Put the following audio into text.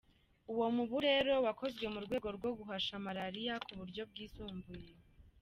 Uwo mubu rero wakozwe mu rwego rwo guhasha malariya ku buryo bwisumbuye.